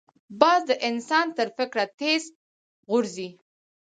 باز د انسان تر فکر تېز غورځي